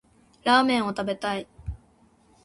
ラーメンを食べたい。